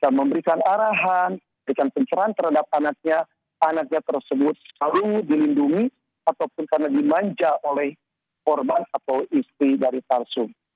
memberikan arahan memberikan pencerahan terhadap anaknya anaknya tersebut selalu dilindungi ataupun karena dimanja oleh korban atau istri dari parsum